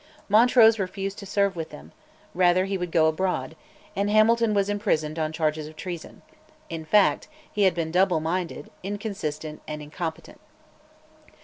Montrose refused to serve with them, rather he would go abroad; and Hamilton was imprisoned on charges of treason: in fact, he had been double minded, inconstant, and incompetent.